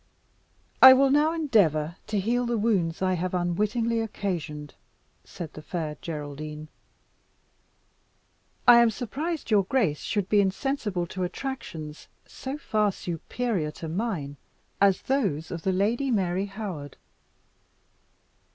"I will now endeavour to heal the wounds I have unwittingly occasioned," said the Fair Geraldine. "I am surprised your grace should be insensible to attractions so far superior to mine as those of the Lady Mary Howard."